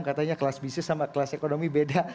katanya kelas bisnis sama kelas ekonomi beda